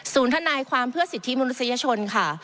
ทนายความเพื่อสิทธิมนุษยชนค่ะ